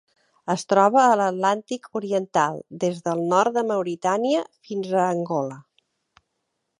Es troba a l'Atlàntic oriental: des del nord de Mauritània fins a Angola.